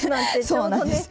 そうなんです。